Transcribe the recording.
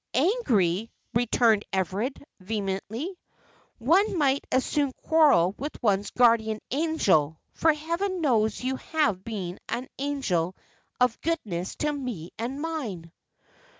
"Angry!" returned Everard, vehemently. "One might as soon quarrel with one's guardian angel, for Heaven knows you have been an angel of goodness to me and mine."